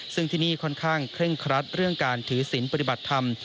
ซึ่งที่นี่ค่อนข้างเคร่งครัดเรื่องการถือศิลปฏิบัติธรรม